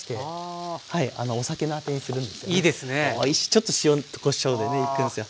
ちょっと塩こしょうでねいくんすよ。